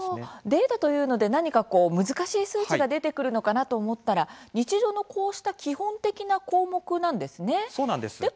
データというので何か難しい数値が出てくるのかなと思ったら日常のこうした基本的な項目なんですね。